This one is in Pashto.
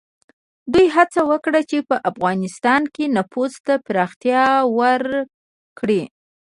دوی هڅه وکړه چې په افغانستان کې نفوذ ته پراختیا ورکړي.